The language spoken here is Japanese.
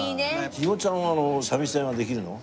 肥後ちゃんは三味線はできるの？